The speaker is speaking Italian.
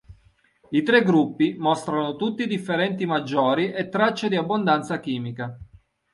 I tre gruppi mostrano tutti differenti maggiori e tracce di abbondanza chimica.